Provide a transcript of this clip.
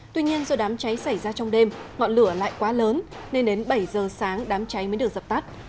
tuy nhiên do đám cháy xảy ra trong đêm ngọn lửa lại quá lớn nên đến bảy giờ sáng đám cháy mới được dập tắt